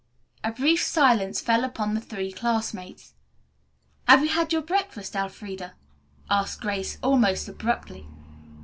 A brief silence fell upon the three classmates. "Have you had your breakfast, Elfreda?" asked Grace, almost abruptly.